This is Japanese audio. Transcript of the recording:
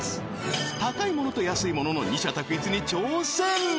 高いものと安いものの二者択一に挑戦